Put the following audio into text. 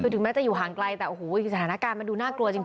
คือถึงแม้จะอยู่ห่างไกลแต่โอ้โหสถานการณ์มันดูน่ากลัวจริง